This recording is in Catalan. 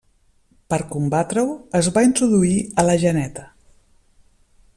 Per combatre-ho es va introduir a la geneta.